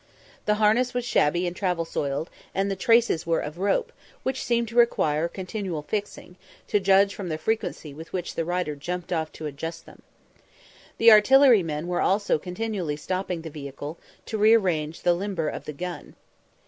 The harness was shabby and travel soiled, and the traces were of rope, which seemed to require continual "fixing," to judge from the frequency with which the rider jumped off to adjust them. The artillerymen were also continually stopping the vehicle, to rearrange the limber of the gun.